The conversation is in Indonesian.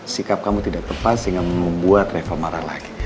sikap kamu tidak tepas dengan membuat reva marah lagi